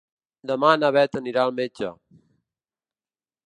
Demà na Beth anirà al metge.